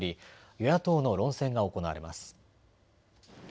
与野党の論戦が行われます。